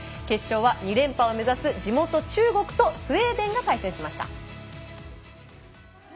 決勝は、２連覇を目指す地元中国とスウェーデンが対戦しました。